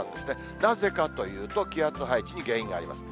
なぜかというと、気圧配置に原因があります。